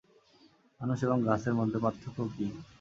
মানুষ এবং গাছের মধ্যে পার্থক্য কী?